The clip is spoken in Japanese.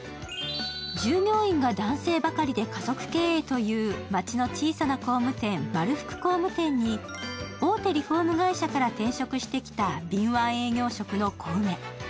従業員が男性ばかりで家族経営という街の小さな工務店・まるふく工務店に大手リフォーム会社から転職してきた敏腕営業職の小梅。